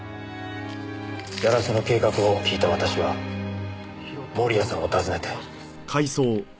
ヤラセの計画を聞いた私は盛谷さんを訪ねて。